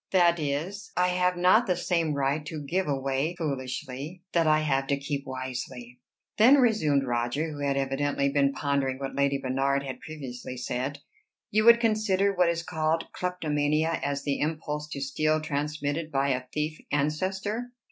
That is, I have not the same right to give away foolishly that I have to keep wisely." "Then," resumed Roger, who had evidently been pondering what Lady Bernard had previously said, "you would consider what is called kleptomania as the impulse to steal transmitted by a thief ancestor?"